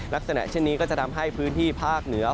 ลักษณะเช่นนี้ก็จะทำให้พื้นที่ภาคเหนือ